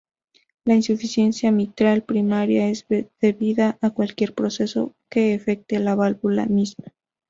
La insuficiencia mitral primaria es debida a cualquier proceso que afecte la válvula misma.